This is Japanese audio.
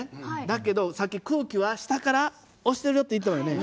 だけどさっき空気は下から押してるよって言ったよね。